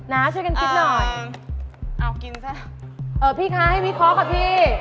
นะช่วยกันคิดหน่อยเอิ่มเอากินซะเอ่อพี่ค่ะให้พี่ขอแค่พี่